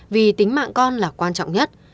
vì tính mạng con là quan trọng nhất